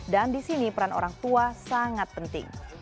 dan di sini peran orang tua sangat penting